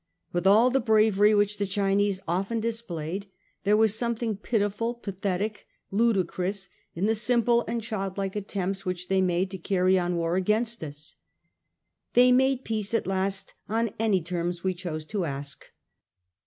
With all the bravery which the Chinese often displayed, there was something pitiful, pathetic, ludicrous, in the simple and child like attempts which they made to carry on war against us. They made peace at last on any terms we chose to ask.